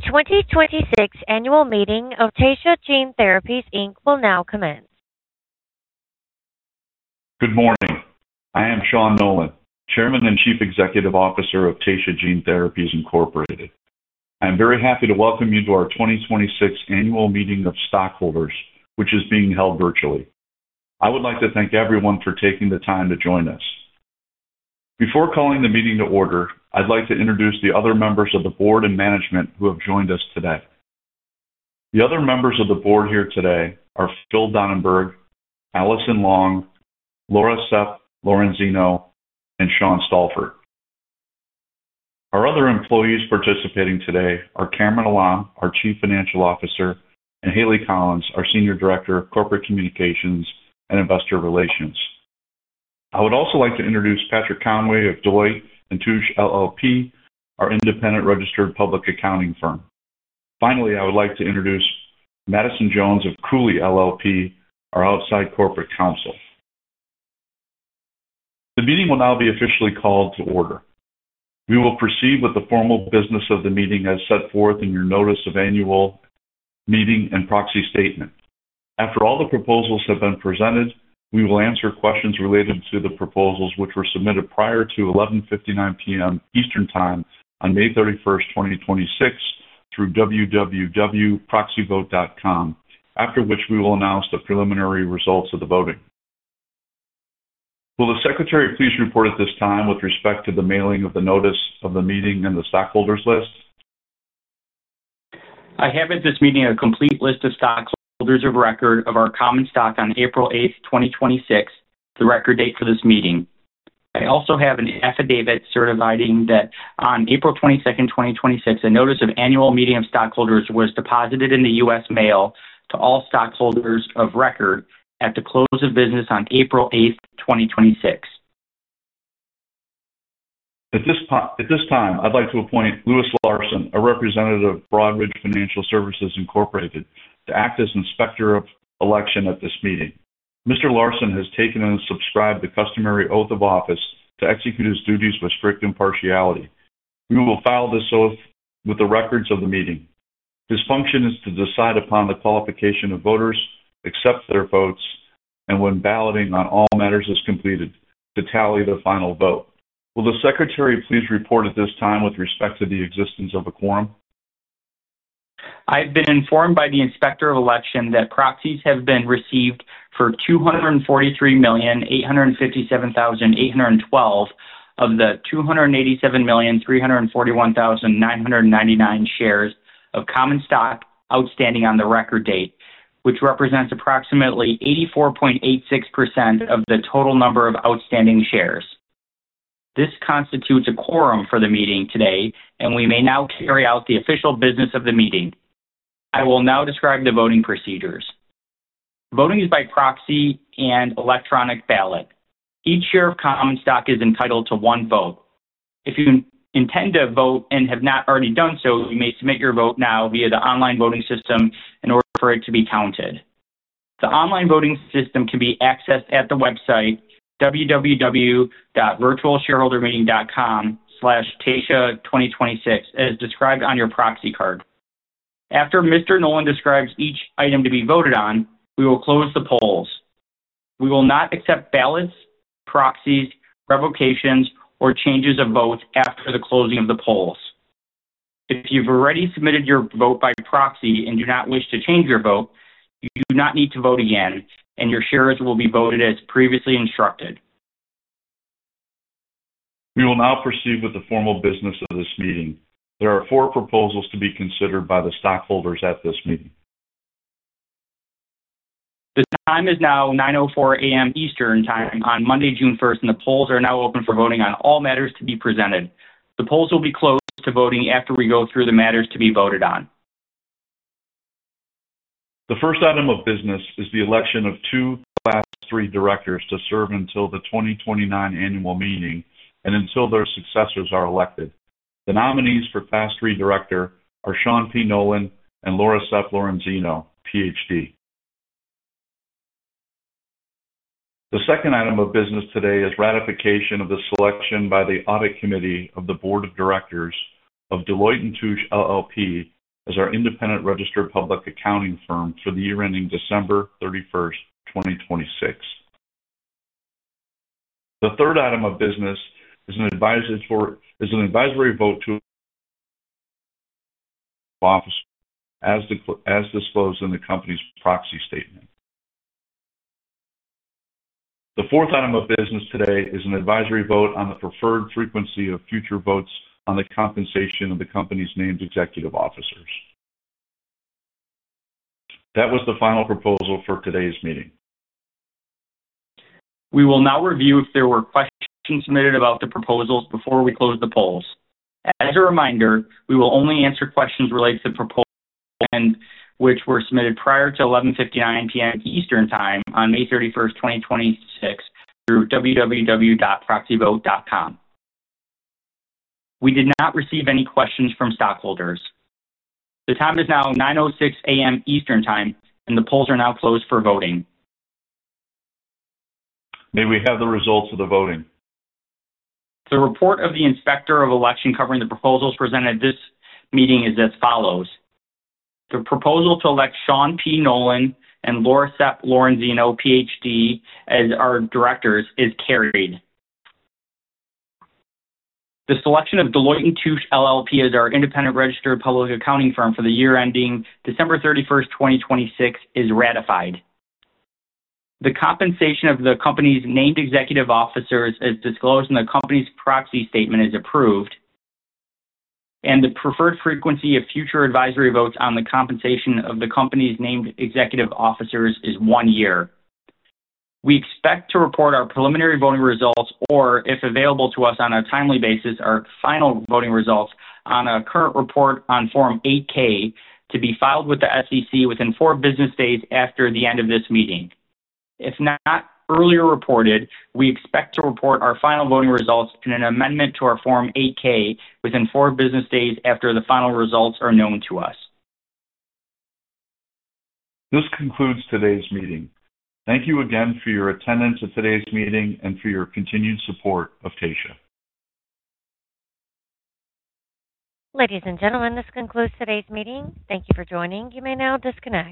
The 2026 annual meeting of Taysha Gene Therapies Inc. will now commence. Good morning. I am Sean Nolan, Chairman and Chief Executive Officer of Taysha Gene Therapies Incorporated. I'm very happy to welcome you to our 2026 annual meeting of stockholders, which is being held virtually. I would like to thank everyone for taking the time to join us. Before calling the meeting to order, I'd like to introduce the other members of the board and management who have joined us today. The other members of the board here today are Phil Donenberg, Alison Long, Laura Sepp-Lorenzino, and Sean Stalfort. Our other employees participating today are Kamran Alam, our Chief Financial Officer, and Hayleigh Collins, our Senior Director of Corporate Communications and Investor Relations. I would also like to introduce Patrick Conway of Deloitte & Touche LLP, our independent registered public accounting firm. Finally, I would like to introduce Madison Jones of Cooley LLP, our outside corporate counsel. The meeting will now be officially called to order. We will proceed with the formal business of the meeting as set forth in your notice of annual meeting and proxy statement. After all the proposals have been presented, we will answer questions related to the proposals which were submitted prior to 11:59 P.M. Eastern Time on May 31st, 2026, through www.proxyvote.com. After which, we will announce the preliminary results of the voting. Will the secretary please report at this time with respect to the mailing of the notice of the meeting and the stockholders list? I have at this meeting a complete list of stockholders of record of our common stock on April 8th, 2026, the record date for this meeting. I also have an affidavit certifying that on April 22nd, 2026, a notice of annual meeting of stockholders was deposited in the U.S. mail to all stockholders of record at the close of business on April 8th, 2026. At this time, I'd like to appoint Louis Larson, a representative of Broadridge Financial Solutions, Inc., to act as inspector of election at this meeting. Mr. Larson has taken and subscribed the customary oath of office to execute his duties with strict impartiality. We will file this oath with the records of the meeting. His function is to decide upon the qualification of voters, accept their votes, and when balloting on all matters is completed, to tally the final vote. Will the secretary please report at this time with respect to the existence of a quorum? I've been informed by the Inspector of Election that proxies have been received for 243,857,812 of the 287,341,999 shares of common stock outstanding on the record date, which represents approximately 84.86% of the total number of outstanding shares. This constitutes a quorum for the meeting today, and we may now carry out the official business of the meeting. I will now describe the voting procedures. Voting is by proxy and electronic ballot. Each share of common stock is entitled to one vote. If you intend to vote and have not already done so, you may submit your vote now via the online voting system in order for it to be counted. The online voting system can be accessed at the website www.virtualshareholdermeeting.com/taysha2026 as described on your proxy card. After Mr. Nolan describes each item to be voted on, we will close the polls. We will not accept ballots, proxies, revocations, or changes of votes after the closing of the polls. If you've already submitted your vote by proxy and do not wish to change your vote, you do not need to vote again, and your shares will be voted as previously instructed. We will now proceed with the formal business of this meeting. There are four proposals to be considered by the stockholders at this meeting. The time is now 9:04 A.M. Eastern Time on Monday, June 1st, and the polls are now open for voting on all matters to be presented. The polls will be closed to voting after we go through the matters to be voted on. The first item of business is the election of two Class III directors to serve until the 2029 annual meeting and until their successors are elected. The nominees for Class III director are Sean P. Nolan and Laura Sepp-Lorenzino, PhD. The second item of business today is ratification of the selection by the Audit Committee of the Board of Directors of Deloitte & Touche LLP as our independent registered public accounting firm for the year ending December 31st, 2026. The third item of business is an advisory vote to officer as disclosed in the company's proxy statement. The fourth item of business today is an advisory vote on the preferred frequency of future votes on the compensation of the company's named executive officers. That was the final proposal for today's meeting. We will now review if there were questions submitted about the proposals before we close the polls. As a reminder, we will only answer questions related to proposals which were submitted prior to 11:59 P.M. Eastern Time on May 31st, 2026, through www.proxyvote.com. We did not receive any questions from stockholders. The time is now 9:06 A.M. Eastern Time, and the polls are now closed for voting. May we have the results of the voting? The report of the inspector of election covering the proposals presented at this meeting is as follows. The proposal to elect Sean P. Nolan and Laura Sepp-Lorenzino, PhD, as our directors is carried. The selection of Deloitte & Touche LLP as our independent registered public accounting firm for the year ending December 31st, 2026, is ratified. The compensation of the company's named executive officers as disclosed in the company's proxy statement is approved, and the preferred frequency of future advisory votes on the compensation of the company's named executive officers is one year. We expect to report our preliminary voting results, or if available to us on a timely basis, our final voting results on a current report on Form 8-K to be filed with the SEC within four business days after the end of this meeting. If not earlier reported, we expect to report our final voting results in an amendment to our Form 8-K within four business days after the final results are known to us. This concludes today's meeting. Thank you again for your attendance at today's meeting and for your continued support of Taysha. Ladies and gentlemen, this concludes today's meeting. Thank you for joining. You may now disconnect.